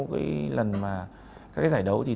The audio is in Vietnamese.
cái lần mà cái giải đấu thì